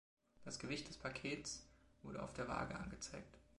Das Gewicht des Pakets wurde auf der Waage angezeigt.